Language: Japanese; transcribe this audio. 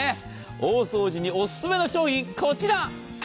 大掃除にオススメの商品、こちら。